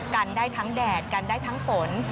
กันได้ทั้งแดดกันได้ทั้งฝน